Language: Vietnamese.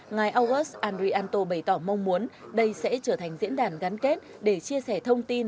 ngài augus andrianto bày tỏ mong muốn đây sẽ trở thành diễn đàn gắn kết để chia sẻ thông tin